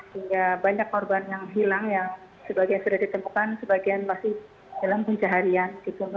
sehingga banyak korban yang hilang yang sebagian sudah ditemukan sebagian masih dalam pencaharian